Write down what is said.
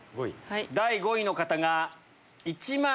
第５位の方が１万。